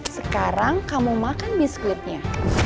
sekarang kamu makan biskuitnya